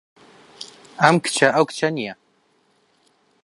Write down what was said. ئەم کچە ئەو کچە نییە.